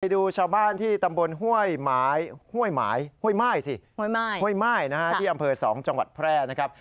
ไปดูชาวบ้านที่ตำบลห้วยไม้ที่อำเภอ๒จังหวัดแพร่นะครับ